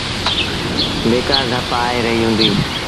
بيڪآر ڌپ آئي رهيٚ هُݩديٚ۔